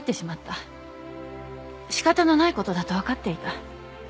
しかたのないことだと分かっていた。